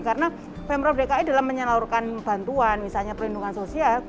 karena pemprov dki dalam menyalurkan bantuan misalnya perlindungan sosial